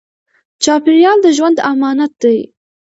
چاپېریال د ژوند امانت دی.